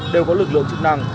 đều có lực lượng chức năng